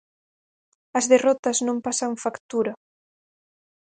As derrotas non pasan factura.